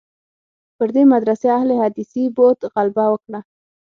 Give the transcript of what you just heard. پر دې مدرسې اهل حدیثي بعد غلبه وکړه.